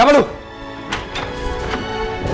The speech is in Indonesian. aku mau ke rumah